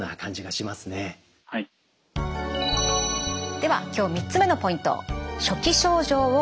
では今日３つ目のポイント。